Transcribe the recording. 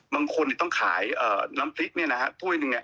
บางคนที่ต้องขายเอ่อน้ำพริกเนี้ยนะฮะถ้วยหนึ่งเนี้ย